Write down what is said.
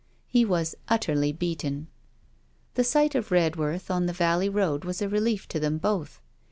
He was utterly beaten. The sight of Redworth on the valley road was a relief to them both.